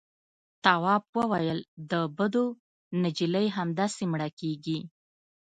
تواب وويل: د بدو نجلۍ همداسې مړه کېږي.